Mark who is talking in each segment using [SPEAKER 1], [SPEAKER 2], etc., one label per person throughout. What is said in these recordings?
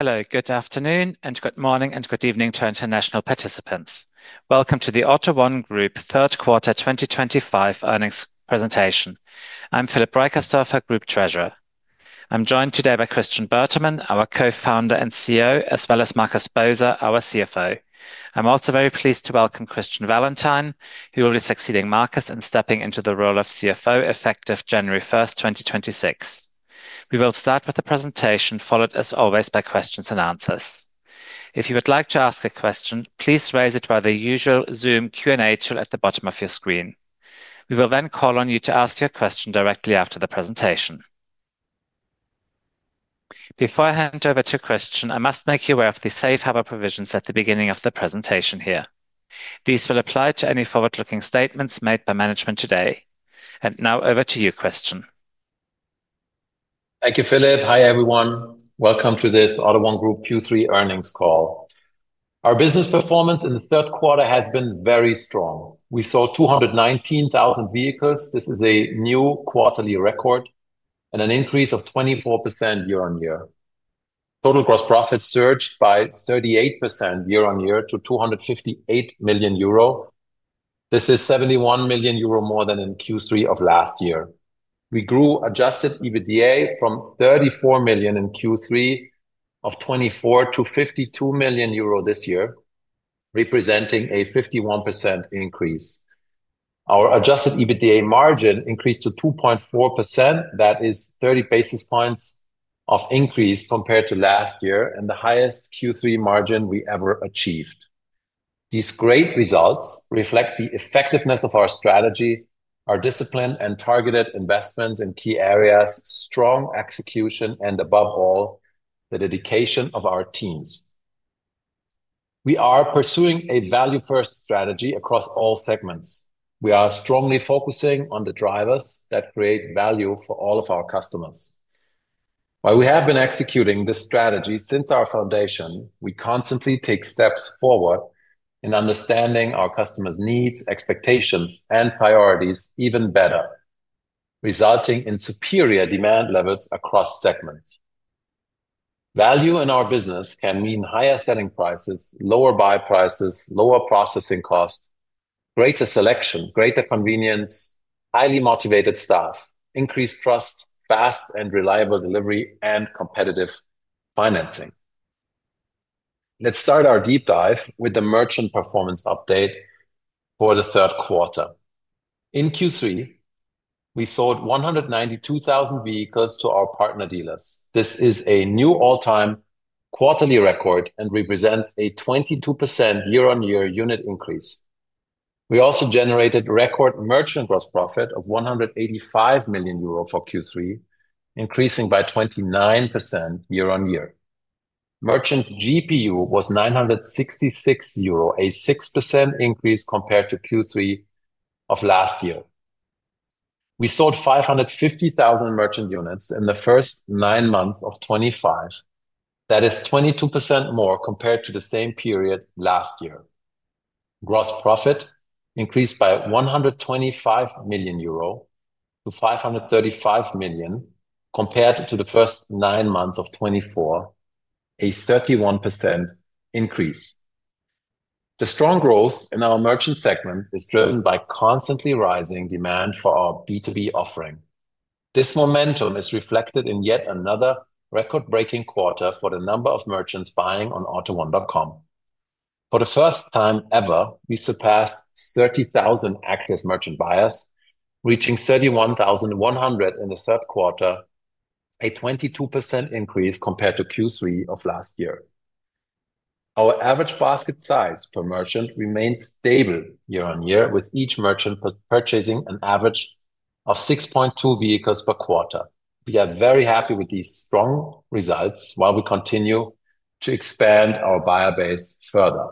[SPEAKER 1] Hello, good afternoon and good morning and good evening to international participants. Welcome to the AUTO1 Group third quarter 2025 earnings presentation. I'm Philip Reicherstorfer, Group Treasurer. I'm joined today by Christian Bertermann, our Co-founder and CEO, as well as Markus Boser, our CFO. I'm also very pleased to welcome Christian Valentin who will be succeeding Markus in stepping into the role of CFO effective January 1, 2026. We will start with the presentation followed as always by questions and answers. If you would like to ask a question, please raise it by the usual Zoom Q and A tool at the bottom of your screen. We will then call on you to ask your question directly after the presentation. Before I hand over to Christian, I must make you aware of the safe harbor provisions at the beginning of the presentation. Here. These will apply to any forward-looking statements made by management today. Now over to you, Christian.
[SPEAKER 2] Thank you, Philip. Hi everyone. Welcome to this AUTO1 Group Q3 earnings call. Our business performance in the third quarter has been very strong. We sold 219,000 vehicles. This is a new quarterly record and an increase of 24% year on year. Total gross profit surged by 38% year on year to 258 million euro. This is 71 million euro more than in Q3 of last year. We grew adjusted EBITDA from 34 million in Q3 of 2024 to 52 million euro this year representing a 51% increase. Our adjusted EBITDA margin increased to 2.4%. That is 30 basis points of increase compared to last year and the highest Q3 margin we ever achieved. These great results reflect the effectiveness of our strategy, our discipline and targeted investments in key areas, strong execution and above all the dedication of our teams. We are pursuing a value first strategy across all segments. We are strongly focusing on the drivers that create value for all of our customers. While we have been executing this strategy since our foundation, we constantly take steps forward in understanding our customers' needs, expectations, and priorities even better, resulting in superior demand levels across segments. Value in our business can mean higher selling prices, lower buy prices, lower processing cost, greater selection, greater convenience, highly motivated staff, increased trust, fast and reliable delivery, and competitive financing. Let's start our deep dive with the Merchant performance update for the third quarter. In Q3 we sold 192,000 vehicles to our partner dealers. This is a new all-time quarterly record and represents a 22% year-on-year unit increase. We also generated record Merchant gross profit of 185 million euro for Q3, increasing by 29% year-on-year. On year, Merchant GPU was 966 euro, a 6% increase compared to Q3 of last year. We sold 550,000 Merchant units in the first nine months of 2025. That is 22% more compared to the same period last year. Gross profit increased by 125 million-535 million euro compared to the first nine months of 2024, a 31% increase. The strong growth in our Merchant segment is driven by constantly rising demand for our B2B offering. This momentum is reflected in yet another record breaking quarter for the number of merchants buying on auto1.com. For the first time ever, we surpassed 30,000 active Merchant buyers, reaching 31,100 in the third quarter, a 22% increase compared to Q3 of last year. Our average basket size per Merchant remains stable year on year with each Merchant purchasing an average of 6.2 vehicles per quarter. We are very happy with these strong results while we continue to expand our buyer base further.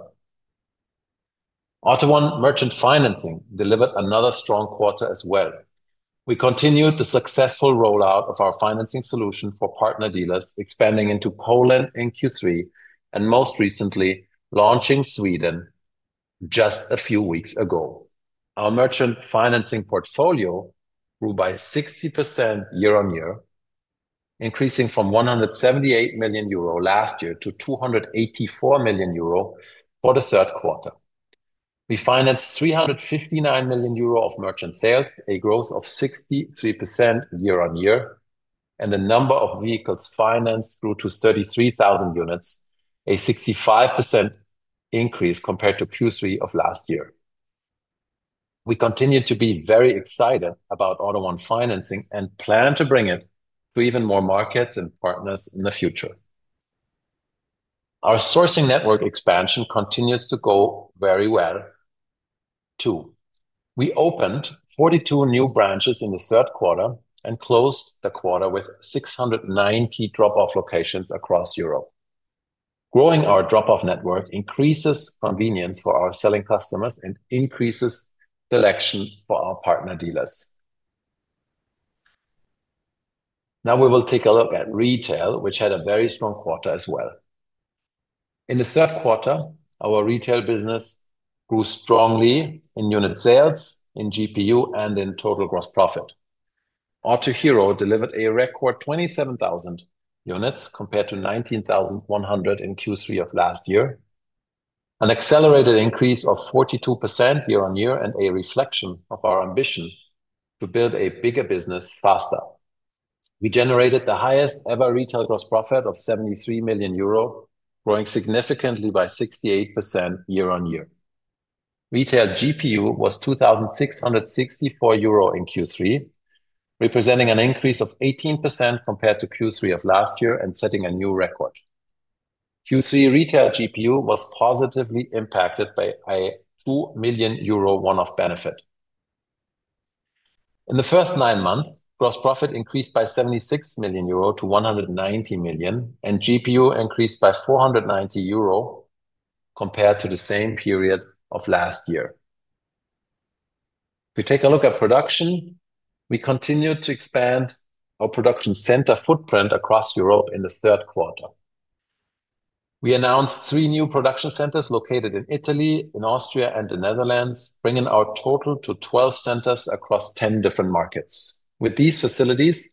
[SPEAKER 2] AUTO1 Merchant Financing delivered another strong quarter as well. We continued the successful rollout of our financing solution for partner dealers, expanding into Poland in Q3 and most recently launching Sweden just a few weeks ago. Our Merchant Financing portfolio grew by 60% year on year, increasing from 178 million euro last year to 284 million euro for the third quarter. We financed 359 million euro of Merchant sales, a growth of 63% year on year and the number of vehicles financed grew to 33,000 units, a 65% increase compared to Q3 of last year. We continue to be very excited about AUTO1 financing and plan to bring it to even more markets and partners in the future. Our sourcing network expansion continues to go very well too. We opened 42 new branches in the third quarter and closed the quarter with 690 drop off locations across Europe growing. Our drop off network increases convenience for our selling customers and increases selection for our partner dealers. Now we will take a look at Retail which had a very strong quarter as well. In the third quarter our Retail business grew strongly in unit sales, in GPU and in total gross profit. Autohero delivered a record 27,000 units compared to 19,100 in Q3 of last year, an accelerated increase of 42% year on year and a reflection of our ambition to build a bigger business faster. We generated the highest ever Retail gross profit of 73 million euro, growing significantly by 68% year on year. Retail GPU was 2,664 euro in Q3, representing an increase of 18 compared to Q3 of last year and setting a new record. Q3 Retail GPU was positively impacted by 12 million euro of benefit. In the first nine months, gross profit increased by 76 million-190 million euro and GPU increased by 490 euro compared to the same period of last year. We take a look at production, we continue to expand our production center footprint across Europe. In the third quarter we announced three new production centers located in Italy, in Austria, and the Netherlands, bringing our total to 12 centers across 10 different markets. With these facilities,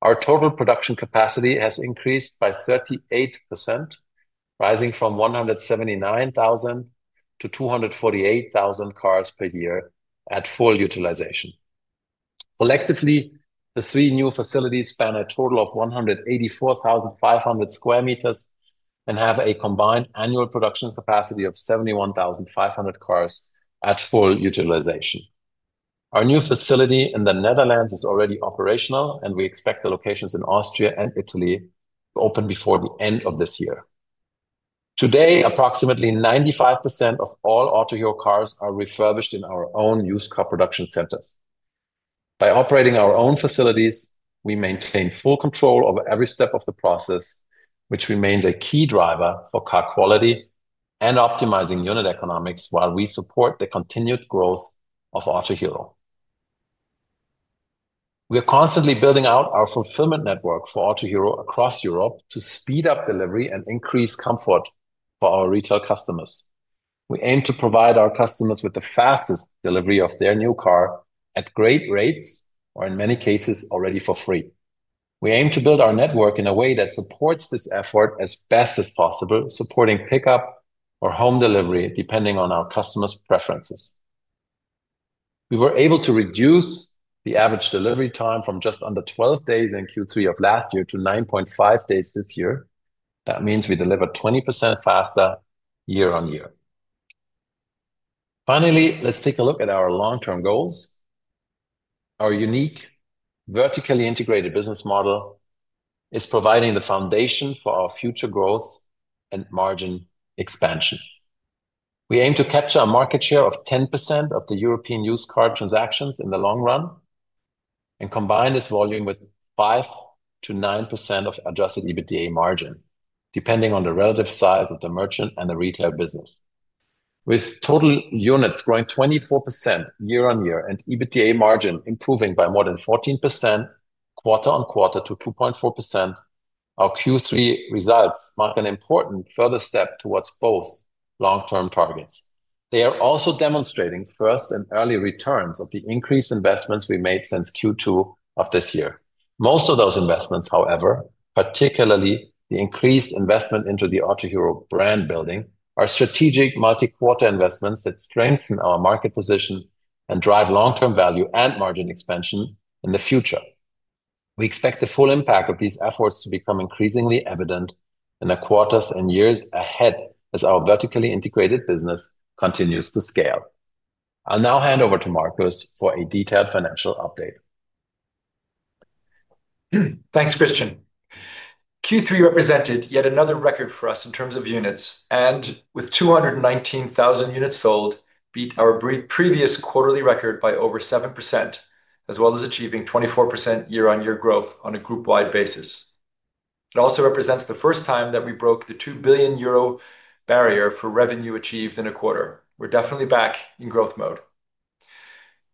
[SPEAKER 2] our total production capacity has increased by 38%, rising from 179,000-248,000 cars per year at full utilization. Collectively, the three new facilities span a total of 184,500 sq m and have a combined annual production capacity of 71,500 cars at full utilization. Our new facility in the Netherlands is already operational and we expect the locations in Austria and Italy to open before the end of this year. Today, approximately 95% of all Autohero cars are refurbished in our own used car production centers. By operating our own facilities, we maintain full control over every step of the process, which remains a key driver for car quality and optimizing unit economics. While we support the continued growth of Autohero, we are constantly building out our fulfillment network for Autohero across Europe to speed up delivery and increase comfort for our Retail customers. We aim to provide our customers with the fastest delivery of their new car at great rates or in many cases already for free. We aim to build our network in a way that supports this effort as best as possible, supporting pickup or home delivery depending on our customers' preferences. We were able to reduce the average delivery time from just under 12 days in Q3 of last year to 9.5 days this year. That means we deliver 20% faster year on year. Finally, let's take a look at our long-term goals. Our unique vertically integrated business model is providing the foundation for our future growth and margin expansion. We aim to capture a market share of 10% of the European used car transactions in the long run and combine this volume with 5%-9% of adjusted EBITDA margin depending on the relative size of the Merchant and the Retail business. With total units growing 24% year on year and EBITDA margin improving by more than 14% quarter on quarter to 2.4%. Our Q3 results mark an important further step towards both long term targets. They are also demonstrating first and early returns of the increased investments we made since Q2 of this year. Most of those investments, however, particularly the increased investment into the Autohero brand building, are strategic multi quarter investments that strengthen our market position and drive long term value and margin expansion in the future. We expect the full impact of these efforts to become increasingly evident in the quarters and years ahead as our vertically integrated business continues to scale. I'll now hand over to Markus for a detailed financial update.
[SPEAKER 3] Thanks Christian. Q3 represented yet another record for us in terms of units and with 219,000 units sold beat our previous quarterly record by over 7% as well as achieving 24% year on year growth on a group wide basis. It also represents the first time that we broke the 2 billion euro barrier for revenue achieved in a quarter. We're definitely back in growth mode.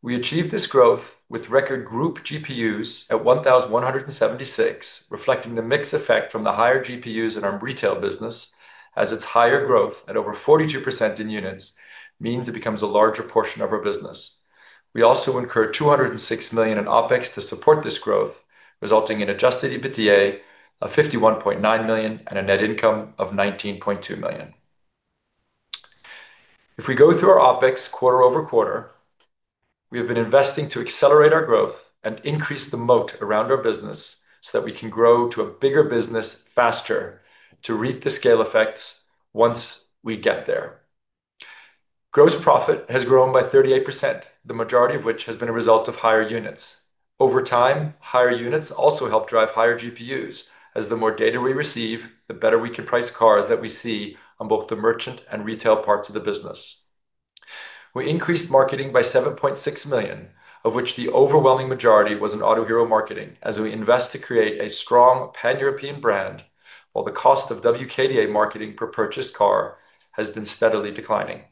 [SPEAKER 3] We achieved this growth with record group GPUs at 1,176 reflecting the mix effect from the higher GPUs in our Retail business as its higher growth at over 42% in units means it becomes a larger portion of our business. We also incurred 206 million in OpEx to support this growth, resulting in adjusted EBITDA of 51.9 million and a net income of 19.2 million. If we go. Through our OpEx quarter-over-quarter. We have been investing to accelerate our growth and increase the moat around our business so that we can grow to a bigger business faster to reap the scale effects once we get there. Gross profit has grown by 38%, the majority of which has been a result of higher units over time. Higher units also help drive higher GPUs as the more data we receive the better we can price cars that we see on both the Merchant and Retail parts of the business. We increased marketing by 7.6 million of which the overwhelming majority was in Autohero marketing as we invest to create a strong pan-European brand while the cost of wkda marketing per purchased car has been steadily declining.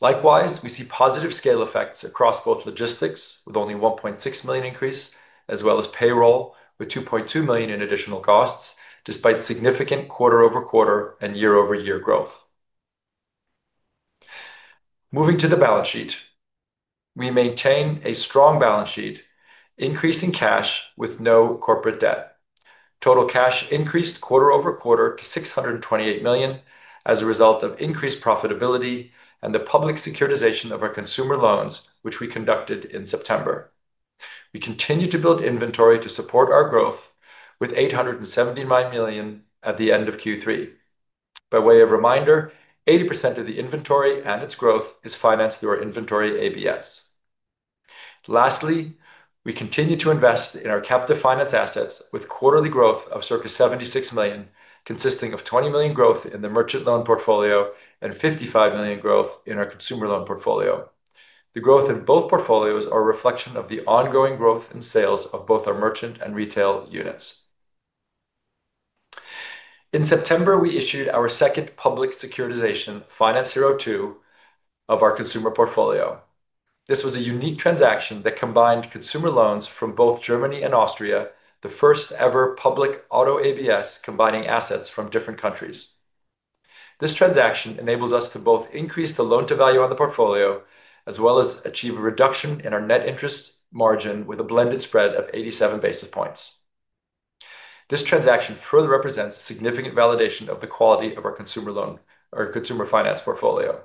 [SPEAKER 3] Likewise, we see positive scale effects across both logistics with only 1.6 million increase and as well as payroll with 2.2 million in additional costs. Despite significant quarter-over-quarter and year-over-year growth, moving to the balance sheet, we maintain a strong balance sheet increasing cash with no corporate debt. Total cash increased quarter-over-quarter to 628 million as a result of increased profitability and the public securitization of our consumer loans, which we conducted in September. We continue to build inventory to support our growth with 879 million at the end of Q3. By way of reminder, 80% of the inventory and its growth is financed through our inventory ABS. Lastly, we continue to invest in our captive finance assets with quarterly growth of circa 76 million consisting of 20 million growth in the Merchant loan portfolio and 55 million growth in our consumer loan portfolio. The growth in both portfolios are a reflection of the ongoing growth in sales of both our Merchant and Retail units. In September we issued our second public securitization FinanceHero 2 of our consumer portfolio. This was a unique transaction that combined consumer loans from both Germany and Austria, the first ever public auto ABS combining assets from different countries. This transaction enables us to both increase the loan to value on the portfolio as well as achieve a reduction in our net interest margin. With a blended spread of 87 basis points, this transaction further represents significant validation of the quality of our consumer finance portfolio.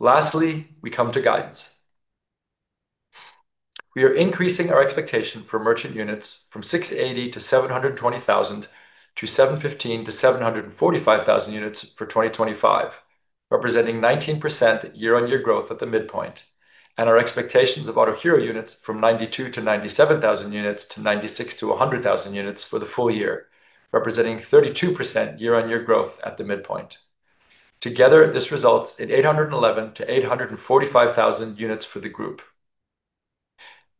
[SPEAKER 3] Lastly, we come to guidance. We are increasing our expectation for Merchant units from 680,000-720,000 to 715,000-745,000 units for 2025, representing 19% year-on-year growth at the midpoint, and our expectations of Autohero units from 92,000-97,000 units to 96,000-100,000 units for the full year, representing 32% year-on-year growth at the midpoint. Together, this results in 811,000-845,000 units for the group.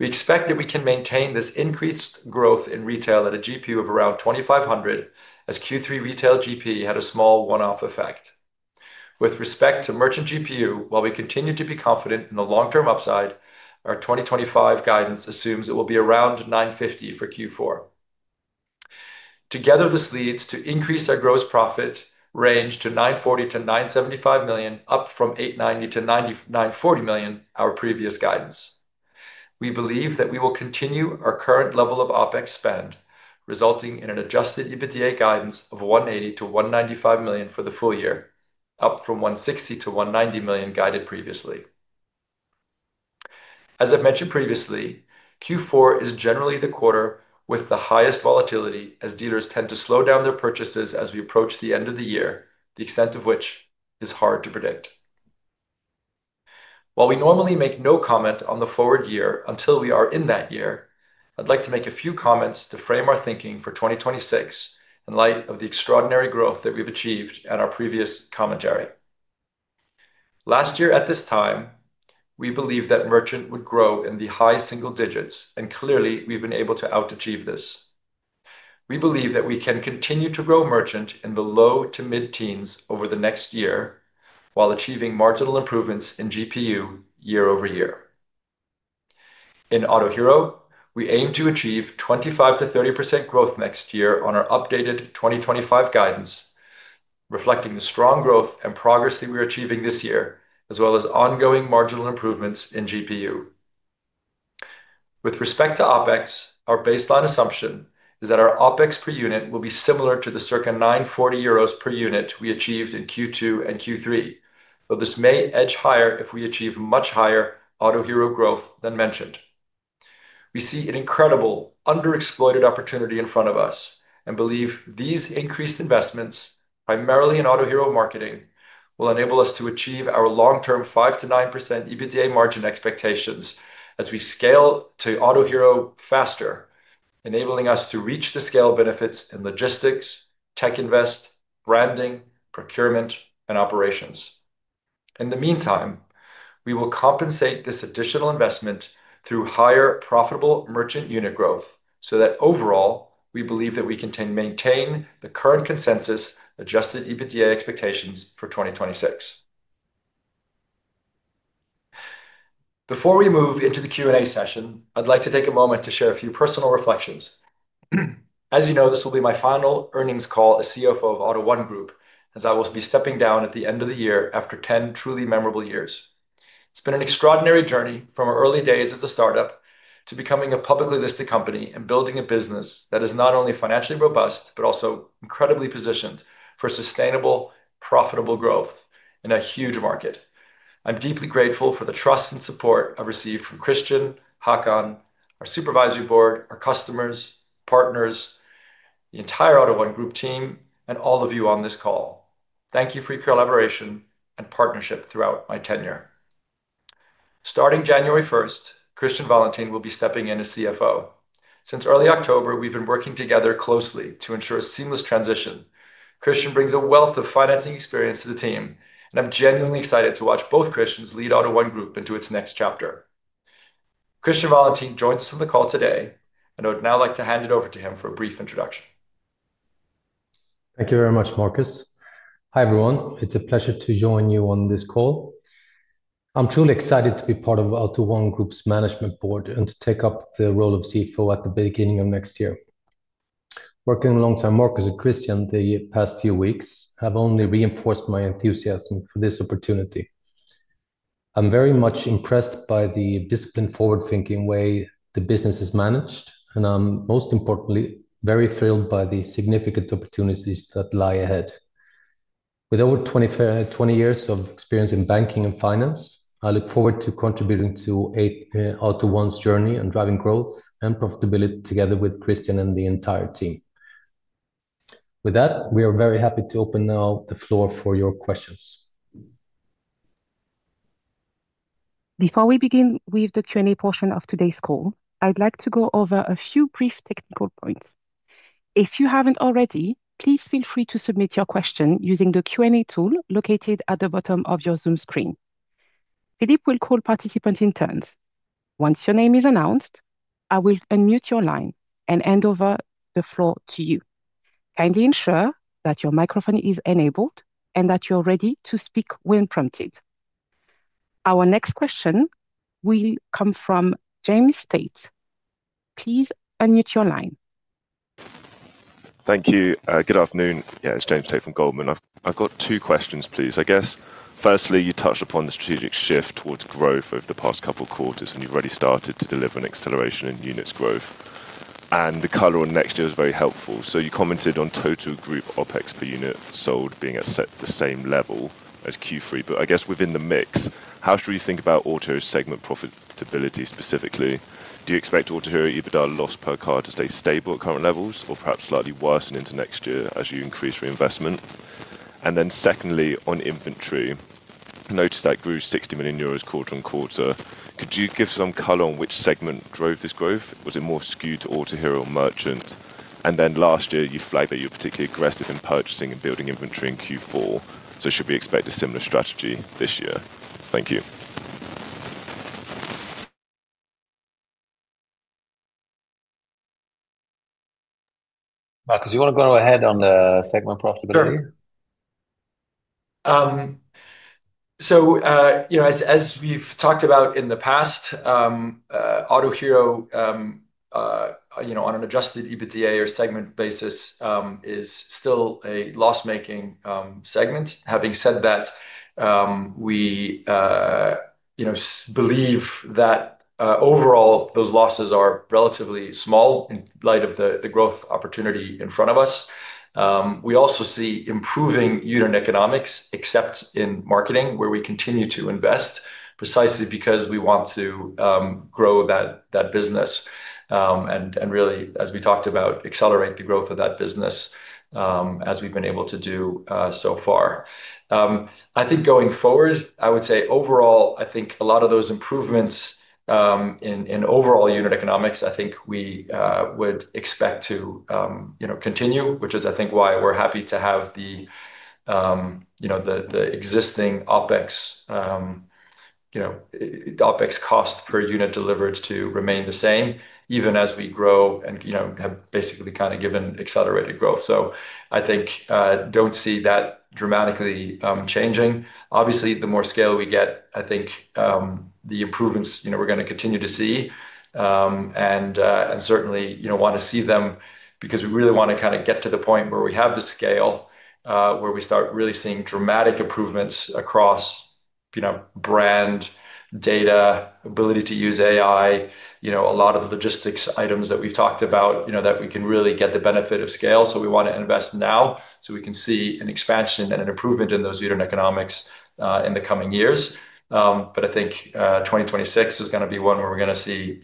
[SPEAKER 3] We expect that we can maintain this increased growth in Retail at a GPU of around 2,500, as Q3 Retail GPU had a small one-off effect with respect to Merchant GPU. While we continue to be confident in the long-term upside, our 2025 guidance assumes it will be around 950 for Q4. Together, this leads to an increase in our gross profit range to 940 million-975 million, up from 890 million-940 million. Our previous guidance, we believe that we will continue our current level of OpEx spend, resulting in an adjusted EBITDA guidance of 180 million-195 million for the full year, up from 160 million-190 million guided previously. As I have mentioned previously, Q4 is generally the quarter with the highest volatility as dealers tend to slow down their purchases as we approach the end of the year, the extent of which is hard to predict. While we normally make no comment on the forward year until we are in that year, I would like to make a few comments to frame our thinking for 2026 in light of the extraordinary growth that we have achieved at our previous commentary. Last year at this time, we believed that Merchant would grow in the high single digits, and clearly we have been able to out achieve this. We believe that we can continue to grow Merchant in the low to mid teens over the next year while achieving marginal improvements in GPU year-over-year in Autohero. We aim to achieve 25%-30% growth next year on our updated 2025 guidance reflecting the strong growth and progress that we're achieving this year as well as ongoing marginal improvements in GPU. With respect to OpEx, our baseline assumption is that our OpEx per unit will be similar to the circa 940 euros per unit we achieved in Q2 and Q3, though this may edge higher if we achieve much higher Autohero growth than mentioned. We see an incredible underexploited opportunity in front of us and believe these increased investments, primarily in Autohero marketing, will enable us to achieve our long term 5%-9% EBITDA margin expectations as we scale to Autohero faster, enabling us to reach the scale benefits in logistics, techinvest, branding, procurement and operations. In the meantime, we will compensate this additional investment through higher profitable Merchant unit growth so that overall we believe that we can maintain the current consensus adjusted EBITDA expectations for 2026. Before we move into the Q and A session, I'd like to take a moment to share a few personal reflections. As you know, this will be my final earnings call as CFO of AUTO1 Group as I will be stepping down at the end of the year after ten truly memorable years. It's been an extraordinary journey from our early days as a startup to becoming a publicly listed company and building a business that is not only financially robust but also incredibly positioned for sustainable, profitable growth in a huge market. I'm deeply grateful for the trust and support I've received from Christian, Hakan, our Supervisory Board, our customers, partners, the entire AUTO1 Group team, and all of you on this call. Thank you for your collaboration and partnership throughout my tenure. Starting January 1, Christian Valentin will be stepping in as CFO. Since early October, we've been working together closely to ensure a seamless transition. Christian brings a wealth of financing experience to the team and I'm genuinely excited to watch both Christians lead AUTO1 Group into its next chapter. Christian Valentin joins us on the call today and I would now like to hand it over to him for a brief introduction.
[SPEAKER 4] Thank you very much, Markus. Hi everyone. It's a pleasure to join you on this call. I'm truly excited to be part of AUTO1 Group's management board and to take up the role of CFO at the beginning of next year. Working long time with Markus and Christian, the past few weeks have only reinforced my enthusiasm for this opportunity. I'm very much impressed by the disciplined, forward-thinking way the business is managed and I'm, most importantly, very thrilled by the significant opportunities that lie ahead. With over 20 years of experience in banking and finance, I look forward to contributing to AUTO1's journey and driving growth and profitability together with Christian and the entire team. With that, we are very happy to open now the floor for your questions.
[SPEAKER 5] Before we begin with the Q and A portion of today's call, I'd like to go over a few brief technical points. If you haven't already, please feel free to submit your question using the Q and A tool located at the bottom of your Zoom screen. Philip will call participant in turns. Once your name is announced, I will unmute your line and hand over the floor to you. Kindly ensure that your microphone is enabled and that you're ready to speak when prompted. Our next question will come from James Tate. Please unmute your line.
[SPEAKER 6] Thank you. Good afternoon. Yeah, it's James Tate from Goldman. I've got two questions please. I guess firstly you touched upon the strategic shift towards growth over the past couple quarters and you've already started to deliver an acceleration in units growth and the color on next year was very helpful. You commented on total group OpEx per unit sold being at the same level as Q3, but I guess within the mix. How should we think about auto segment profitability specifically? Do you expect Autohero EBITDA loss per car to stay stable at current levels or perhaps slightly worsen into next year as you increase reinvestment? And then secondly on inventory, noticed that grew 60 million euros quarter on quarter. Could you give some color on which segment drove this growth? Was it more skewed to Autohero or Merchant? Last year you flagged that you're particularly aggressive in purchasing and building inventory in Q4. Should we expect a similar strategy this year? Thank you.
[SPEAKER 4] Marcus. You want to go ahead on the segment profitability.
[SPEAKER 3] As we've talked about in the past, Autohero, you know, on an adjusted EBITDA or segment basis is still a loss making segment. Having said that, we, you know, believe that overall those losses are relatively small in light of the growth opportunity in front of us. We also see improving unit economics except in marketing where we continue to invest precisely because we want to grow that business and really, as we talked about, accelerate the growth of that business as we've been able to do so far. I think going forward I would say overall I think a lot of those improvements in overall unit economics I think we would expect to continue, which is, I think, why we're happy to have. The. The existing OpEx cost per unit delivered to remain the same even as we grow and have basically given accelerated growth. I think do not see that dramatically changing. Obviously the more scale we get I think the improvements we are going to continue to see and certainly want to see them because we really want to kind of get to the point where we have the scale where we start really seeing dramatic improvements across brand data, ability to use AI, a lot of the logistics items that we have talked about that we can really get the benefit of scale. We want to invest now so we can see an expansion and an improvement in those unit economics in the coming years. I think 2026 is going to be one where we are going to see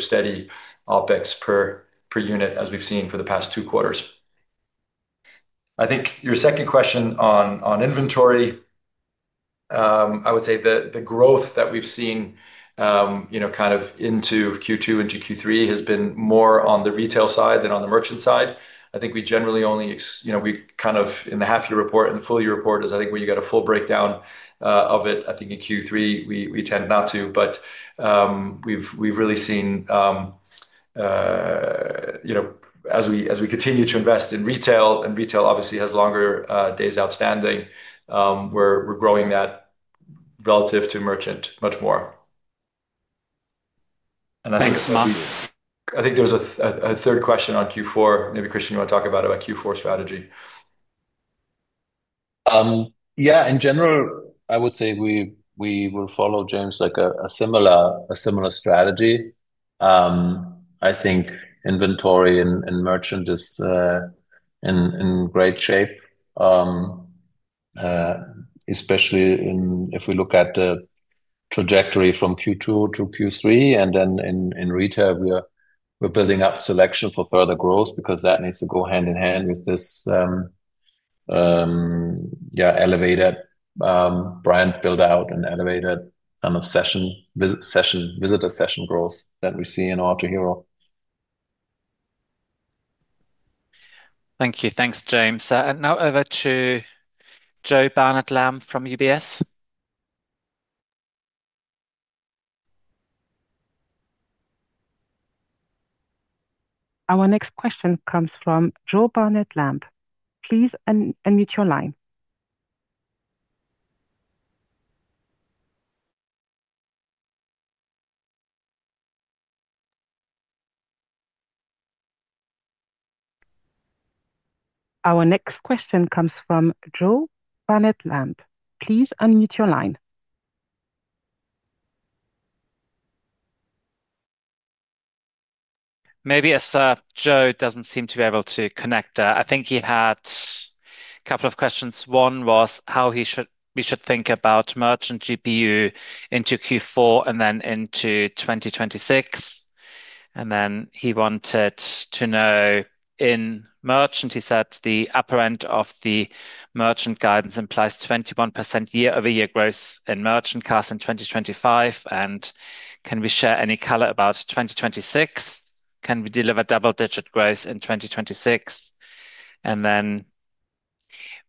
[SPEAKER 3] steady OpEx per unit as we have seen for the past two quarters. I think your second question on inventory, I would say the growth that we've seen kind of into Q2 into Q3 has been more on the Retail side than on the Merchant side. I think we generally only in the half year report and the full year report is, I think, where you got a full breakdown of it. I think in Q3 we tend not to, but we've really seen, you know, as we continue to invest in Retail, and Retail obviously has longer days outstanding, we're growing that relative to Merchant much more.
[SPEAKER 6] Thanks Mark.
[SPEAKER 3] I think there's a third question on Q4. Maybe Christian, you want to talk about Q4 strategy.
[SPEAKER 2] Yeah. In general I would say we will follow James, like a similar strategy. I think inventory and Merchant is in great shape, especially if we look at the trajectory from Q2 to Q3, and then in Retail we are building up selection for further growth because that needs to go hand in hand with this, yeah, elevated brand build out and elevated kind of session visit, session visitor, session growth that we see in Autohero.
[SPEAKER 1] Thank you. Thanks, James. And now over to Joe Barnet-Lamb from UBS.
[SPEAKER 5] Our next question comes from Joe Barnet-Lamb, please unmute your line.
[SPEAKER 1] Maybe as Joe does not seem to be able to connect, I think he had a couple of questions. One was how he should, we should think about Merchant GPU into Q4 and then into 2026. He wanted to know in merchant, he said the upper end of the Merchant guidance implies 21% year-over-year growth in Merchant cars in 2025. Can we share any color about 2026? Can we deliver double-digit growth in 2026?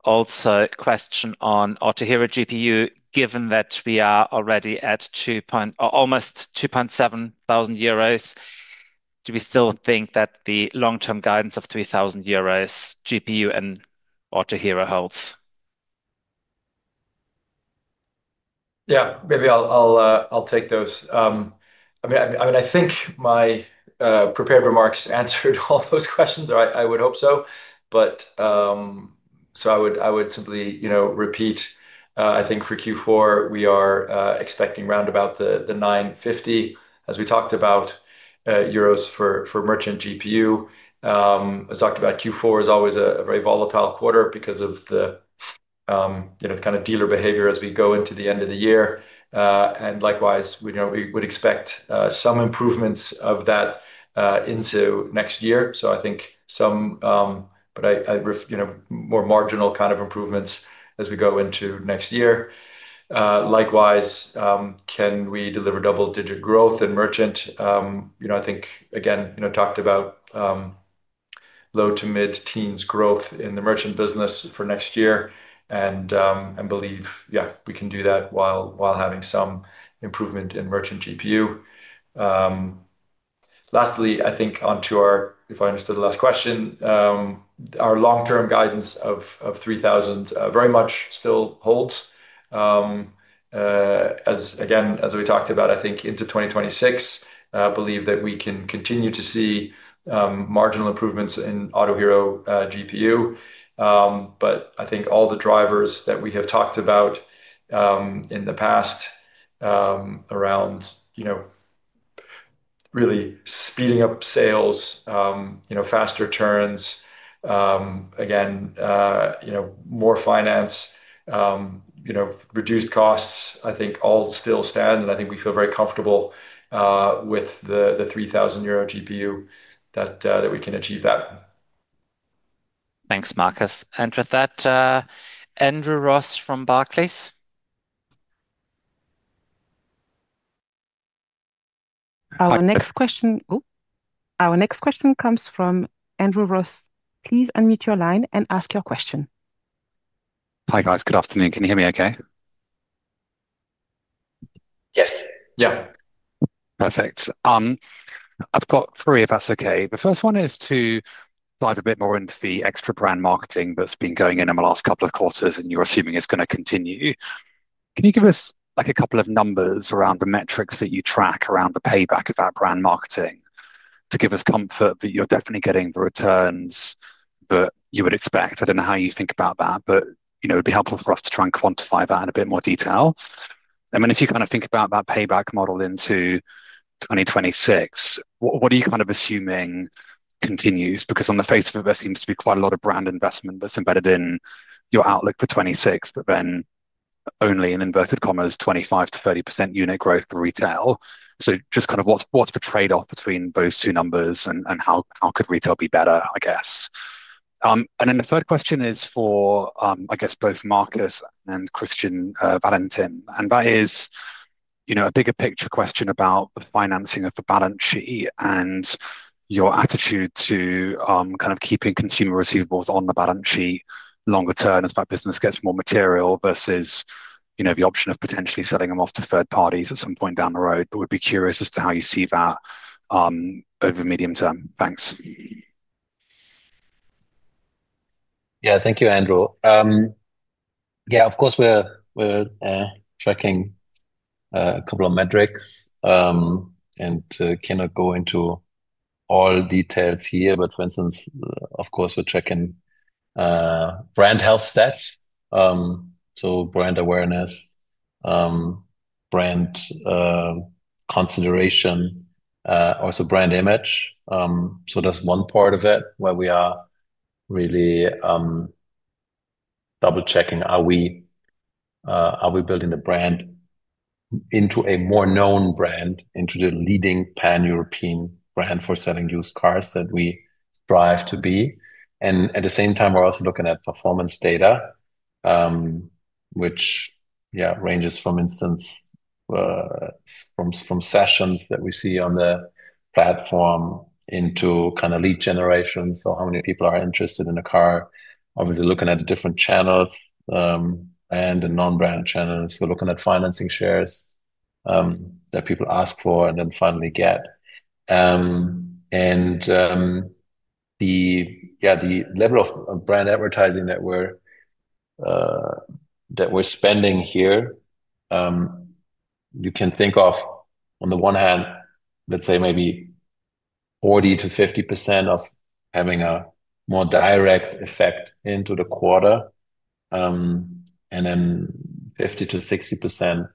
[SPEAKER 1] Also, question on Autohero GPU, given that we are already at 2,700 euros, do we still think that the long-term guidance of 3,000 euros GPU in Autohero holds?
[SPEAKER 3] Yeah, maybe. I'll take those. I mean, I think my prepared remarks answered all those questions. I would hope so, but I would simply repeat. I think for Q4 we are expecting roundabout 950 as we talked about euros for Merchant GPU. As talked about, Q4 is always a very volatile quarter because of the kind of dealer behavior as we go into the end of the year, and likewise we would expect some improvements of that into next year. I think some, but I, you know, more marginal kind of improvements as we go into next year. Likewise, can we deliver double-digit growth in merchant, you know, I think again, you know, talked about low- to mid-teens growth in the Merchant business for next year and believe, yeah, we can do that while having some improvement in Merchant GPU. Lastly, I think onto our, if I understood the last question, our long term guidance of 3,000 very much still holds as again as we talked about I think into 2026 believe that we can continue to see marginal improvements in Autohero GPU. I think all the drivers that we have talked about in the past. Around. Really speeding up sales, faster turns again, more finance, reduced costs, I think all still stand and I think we feel very comfortable with the 3,000 euro GPU that we can achieve that.
[SPEAKER 1] Thanks Markus. And with that, Andrew Ross from Barclays.
[SPEAKER 5] Our next question comes from Andrew Ross. Please unmute your line and ask your question.
[SPEAKER 7] Hi guys, good afternoon. Can you hear me okay? Yes. Yeah, perfect. I've got three if that's okay. The first one is to dive a bit more into the extra brand marketing that's been going in in the last couple of quarters and you're assuming it's going to continue. Can you give us like a couple of numbers around the metrics that you track around the payback of our brand marketing to give us comfort that you're definitely getting the returns that you would expect. I don't know how you think about that but you know, it'd be helpful for us to try and quantify that in a bit more detail, and then as you kind of think about that payback model into 2026, what are you kind of assuming continues? Because on the face of it there seems to be quite a lot of brand investment that's embedded in your outlook for 2026, but then only, in inverted commas, 25-30% unit growth for Retail. Just kind of what's the trade-off between those two numbers and how could Retail be better, I guess. The third question is for, I guess, both Markus and Christian Valentin and that is, you know, a bigger picture question about the financing of the balance sheet and your attitude to kind of keeping consumer receivables on the balance sheet longer term as that business gets more material versus, you know, the option of potentially selling them off to third parties at some point down the road. Would be curious as to how you see that over the medium term. Thanks.
[SPEAKER 2] Yeah, thank you, Andrew. Yeah, of course we're tracking a couple of metrics and cannot go into all details here, but for instance, of course we're tracking brand health stats. So brand awareness, brand consideration, also brand image. That's one part of it where we are really double checking. Are we, are we building the brand into a more known brand, into the leading pan-European brand for selling used cars that we strive to be. At the same time, we're also looking at performance data, which ranges, for instance, from sessions that we see on the platform into kind of lead generation. How many people are interested in a car? Obviously, looking at the different channels and the non-brand channels, we're looking at financing shares that people ask for and then finally get. Yeah, the level of brand advertising that we're spending here, you can think of on the one hand, let's say maybe 40%-50% of having a more direct effect into the quarter and then 50%-60%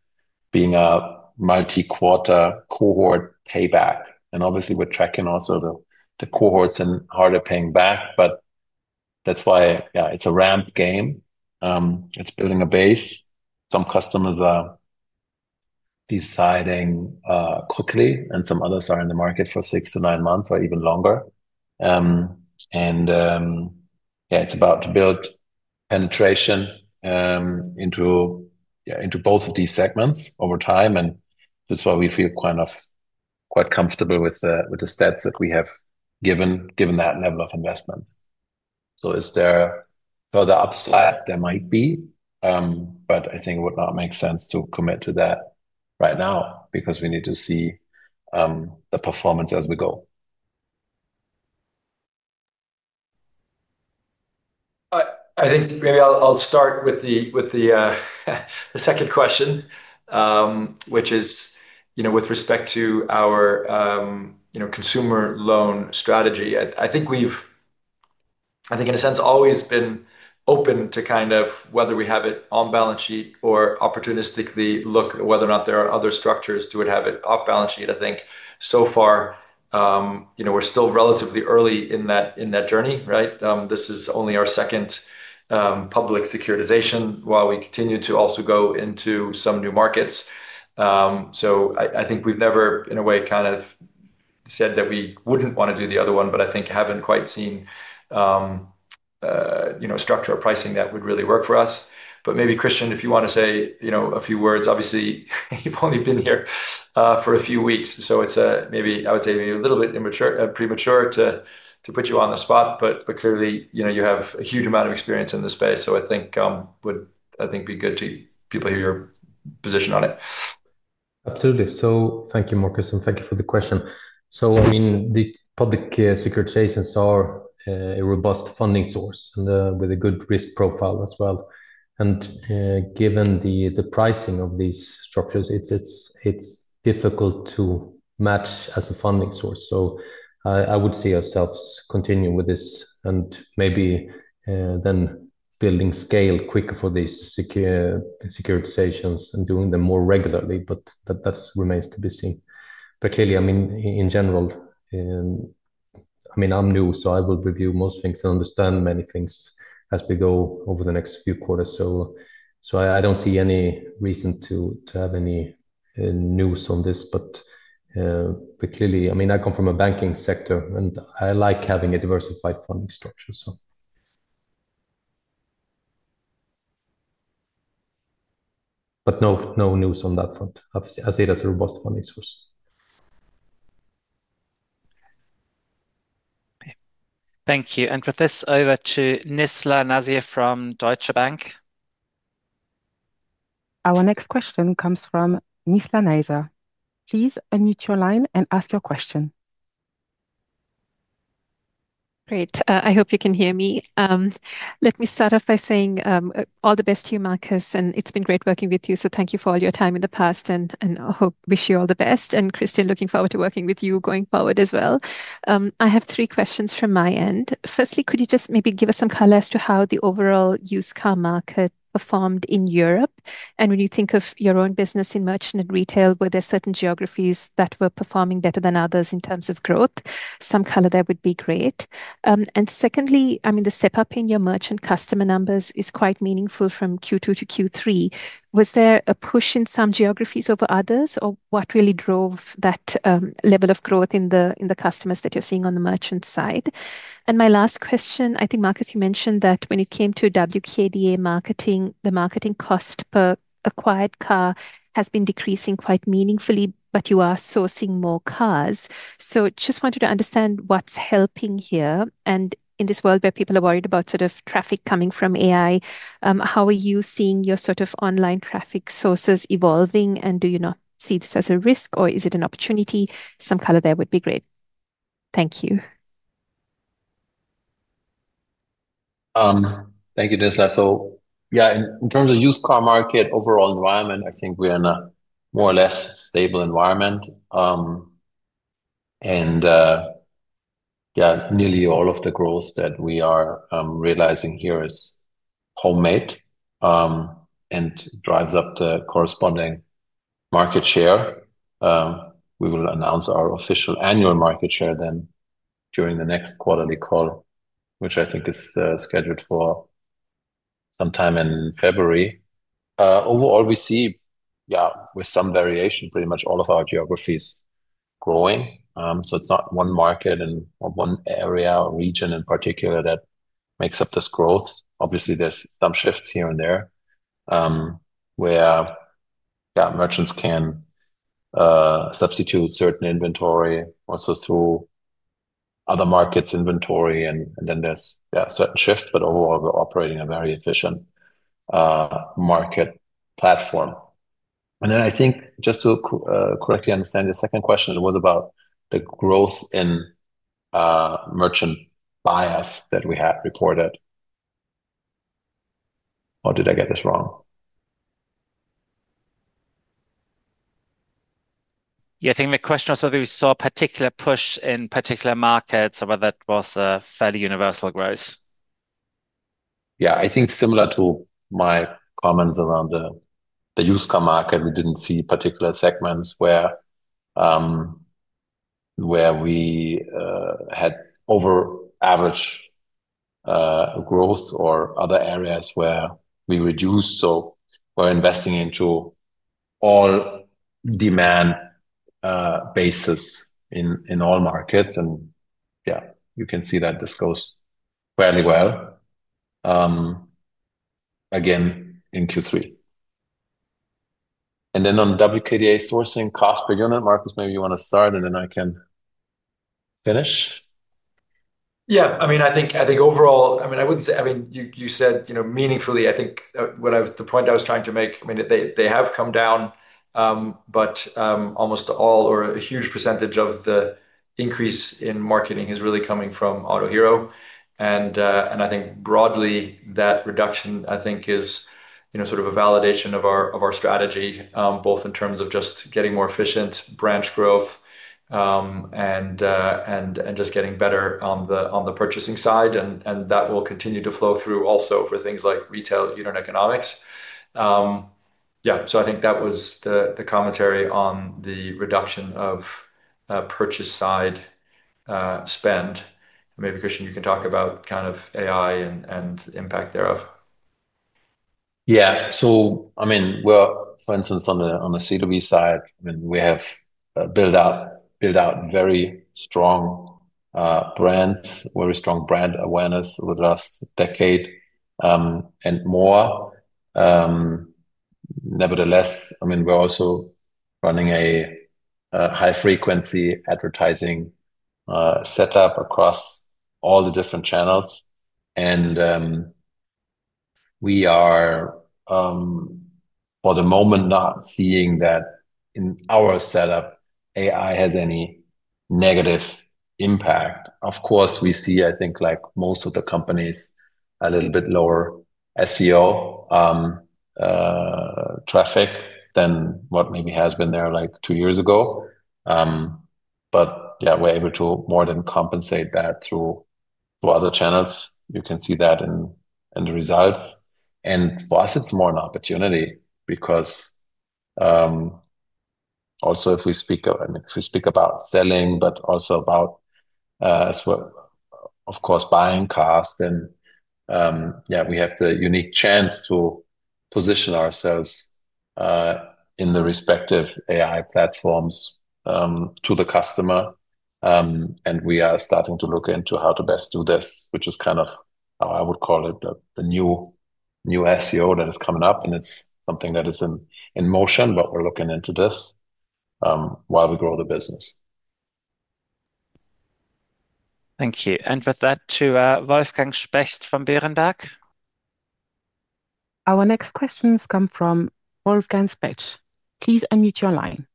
[SPEAKER 2] being a multi-quarter cohort payback. Obviously, we're tracking also the cohorts and how they're paying back. That's why it's a ramp game, it's building a base. Some customers are deciding quickly and some others are in the market for six to nine months or even longer. It's about building penetration into both of these segments over time. That's why we feel quite comfortable with the stats that we have, given that level of investment. Is there further upside? There might be, but I think it would not make sense to commit to that right now because we need to see the performance as we go.
[SPEAKER 3] I think maybe I'll start with the second question, which is with respect to our, you know, consumer loan strategy. I think we've, I think in a sense, always been open to kind of whether we have it on balance sheet or opportunistically look, whether or not there are other structures to have it off balance sheet. I think so far, you know, we're still relatively early in that, in that journey. Right. This is only our second public securitization while we continue to also go into some new markets. I think we've never, in a way, kind of said that we wouldn't want to do the other one, but I think haven't quite seen structure or pricing that would really work for us. Maybe, Christian, if you want to say a few words, obviously you've only been here for a few weeks, so it's maybe, I would say, maybe a little bit premature to put you on the spot. Clearly you have a huge amount of experience in the space. I think it would, I think, be good to have people hear your position on it.
[SPEAKER 4] Absolutely. Thank you, Markus, and thank you for the question. I mean, the public securitizations are a robust funding source and with a good risk profile as well. Given the pricing of these structures, it is difficult to match as a funding source. I would see ourselves continuing with this and maybe then building scale quicker for these securitizations and doing them more regularly. That remains to be seen. Clearly, in general, I mean, I am new, so I will review most things and understand many things as we go over the next few quarters. I do not see any reason to have any news on this. Clearly, I come from a banking sector and I like having a diversified funding structure. No news on that front. I see. That is a robust funding source.
[SPEAKER 1] Thank you. And with this over to Nizla Naizer from Deutsche Bank.
[SPEAKER 5] Our next question comes from Nizla Naizer. Please unmute your line and ask your question.
[SPEAKER 8] Great. I hope you can hear me. Let me start off by saying all the best to you, Markus, and it's been great working with you. Thank you for all your time in the past and I wish you all the best. Christian, looking forward to working with you going forward as well. I have three questions from my end. Firstly, could you just maybe give us some color as to how the overall used car market performed in Europe? When you think of your own business in Merchant and Retail, were there certain geographies that were performing better than others in terms of growth? Some color there would be great. Secondly, I mean the step up in your Merchant customer numbers is quite meaningful. From Q2 to Q3, was there a push in some geographies over others or what really drove that level of growth in the, in the customers that you're seeing on the Merchant side? My last question, I think Markus, you mentioned that when it came to wkda marketing, the marketing cost per acquired car has been decreasing quite meaningfully. You are sourcing more cars, so just wanted to understand what's helping here in this world where people are worried about sort of traffic coming from AI. How are you seeing your sort of online traffic sources evolving and do you not see this as a risk or is it an opportunity? Some color there would be great. Thank you.
[SPEAKER 2] Thank you. Yeah, in terms of used car market overall environment, I think we're in a more or less stable environment. Yeah, nearly all of the growth that we are realizing here is homemade and drives up the corresponding market share. We will announce our official annual market share then during the next quarterly call, which I think is scheduled for sometime in February. Overall, we see, with some variation, pretty much all of our geographies growing. It's not one market and one area or region in particular that makes up this growth. Obviously there's some shifts here and there where merchants can substitute certain inventory, also through other markets' inventory, and then there's certain shift. Overall we're operating a very efficient market platform. I think just to correctly understand your second question, it was about the growth in Merchant buyers that we had reported. Or did I get this wrong?
[SPEAKER 1] Yeah, I think the question was whether we saw a particular push in particular markets or whether it was fairly universal growth.
[SPEAKER 2] Yeah, I think similar to my comments around the used car market, we did not see particular segments where we had over average growth or other areas where we reduced. We are investing into all demand basis in all markets. Yeah, you can see that this goes fairly well again in Q3 and then on wkda sourcing cost per unit. Markus, maybe you want to start and then I can finish.
[SPEAKER 3] Yeah, I mean, I think overall, I mean, I wouldn't say. I mean you said meaningfully. I think the point I was trying to make, they have come down. But almost all or a huge percentage of the increase in marketing is really coming from Autohero. I think broadly that reduction, I think is sort of a validation of our strategy both in terms of just getting more efficient branch growth and just getting better on the purchasing side. That will continue to flow through also for things like Retail unit economics. Yeah, I think that was the commentary on the reduction of purchase side spend. Maybe. Christian, you can talk about kind of AI and impact thereof.
[SPEAKER 2] Yeah, so I mean we're for instance on the, on the CW side and we have built out very strong brands, very strong brand awareness with us, decade and more. Nevertheless, I mean we're also running a high frequency advertising setup across all the different channels. We are for the moment not seeing that in our setup AI has any negative impact. Of course we see I think like most of the companies a little bit lower SEO traffic than what maybe has been there like two years ago. Yeah, we're able to more than compensate that through other channels. You can see that in the results. For us it's more an opportunity because also if we speak and if we speak about selling, but also about as well, of course buying cars, we have the unique chance to position ourselves in the respective AI platforms to the customer. We are starting to look into how to best do this, which is kind of how I would call it, the new SEO that is coming up. It's something that is in motion. We're looking into this while we grow the business.
[SPEAKER 1] Thank you. And with that to Wolfgang Specht from Berenberg.
[SPEAKER 5] Our next questions come from Wolfgang Specht. Please unmute your line.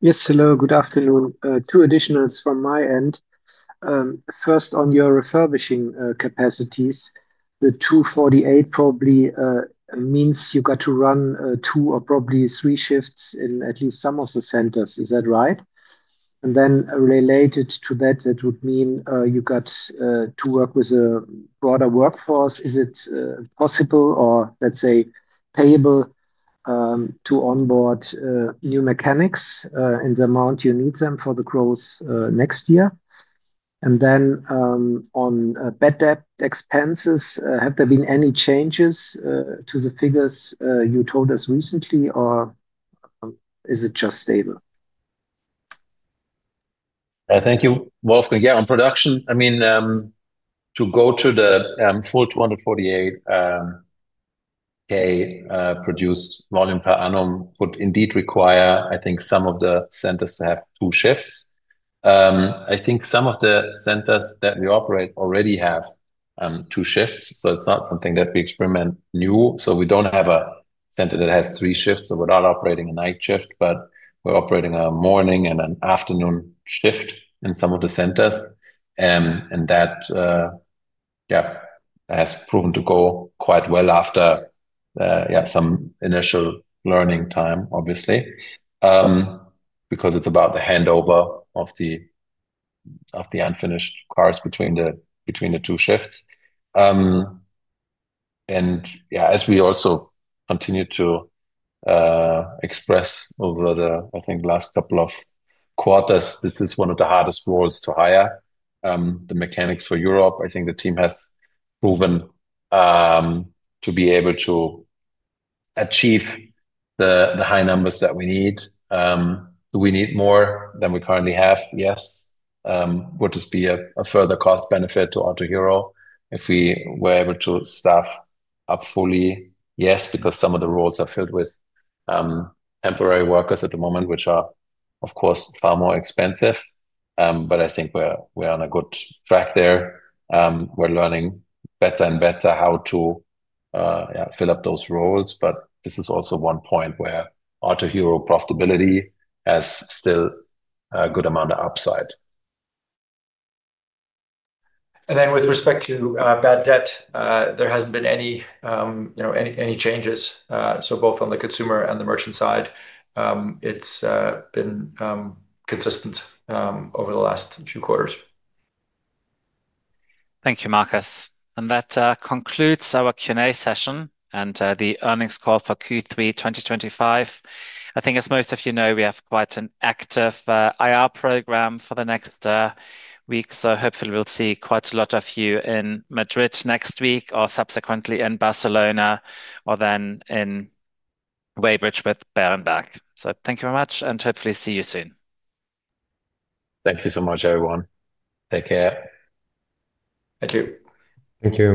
[SPEAKER 9] Yes, hello, good afternoon. Two additionals from my end. First, on your refurbishing capacities, the 248 probably means you got to run two or probably three shifts in at least some of the centers. Is that right? Related to that, it would mean you got to work with a broader workforce. Is it possible, or let's say payable to onboard new mechanics in the amount you need them for the growth next year? On bad debt expenses, have there been any changes to the figures you told us recently or is it just stable?
[SPEAKER 2] Thank you, Wolfgang. Yeah, on production, I mean, to go to the full 248 produced volume per annum would indeed require, I think, some of the centers to have two shifts. I think some of the centers that we operate already have two shifts. It is not something that we experiment new. We do not have a center that has three shifts, so without operating a night shift. We are operating a morning and an afternoon shift in some of the centers. That has proven to go quite well after some initial learning time, obviously, because it is about the handover of the unfinished cars between the two shifts. As we also continue to express over the, I think, last couple of quarters, this is one of the hardest roles to hire the mechanics for Europe. I think the team has proven to be able to achieve the high numbers that we need. Do we need more than we currently have? Yes. Would this be a further cost benefit to Autohero if we were able to staff up fully? Yes, because some of the roles are filled with temporary workers at the moment, which are of course, far more expensive. I think we're on a good track there. We're learning better and better how to fill up those roles. This is also one point where Autohero profitability has still a good amount of upside.
[SPEAKER 3] With respect to bad debt, there hasn't been any, you know, any changes. Both on the consumer and the Merchant side, it's been consistent over the last few quarters.
[SPEAKER 1] Thank you, Markus. That concludes our Q and A session and the earnings call for Q3 2025. I think, as most of you know, we have quite an active IR program for the next week. Hopefully we'll see quite a lot of you in Madrid next week or subsequently in Barcelona or in Weybridge with Berenberg. Thank you very much and hopefully see you soon.
[SPEAKER 2] Thank you so much, everyone. Take care.
[SPEAKER 3] Thank you.
[SPEAKER 4] Thank you.